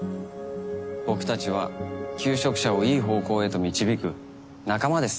僕たちは求職者をいい方向へと導く仲間です。